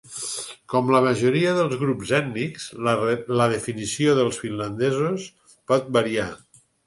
Com la majoria dels grups ètnics, la definició dels finlandesos pot variar.